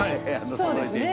そうですね。